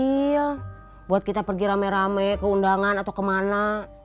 kita punya mobil buat kita pergi rame rame ke undangan atau kemana